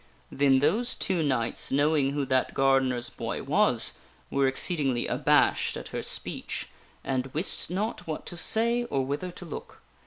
Then those two knights, knowing who that gardener's boy was, were exceedingly abashed at her speech, and wist not what to say or whither to look.